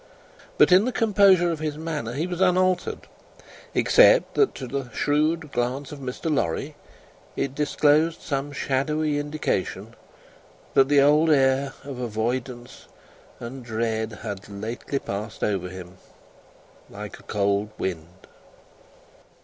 But, in the composure of his manner he was unaltered, except that to the shrewd glance of Mr. Lorry it disclosed some shadowy indication that the old air of avoidance and dread had lately passed over him, like a cold wind.